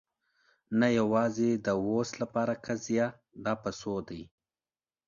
نه، یوازې د اوس لپاره قضیه. دا په څو دی؟